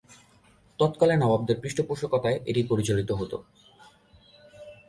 তৎকালে নবাবদের পৃষ্ঠপোষকতায় এটি পরিচালিত হত।